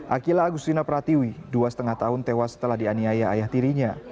akila agustina pratiwi dua lima tahun tewas setelah dianiaya ayah tirinya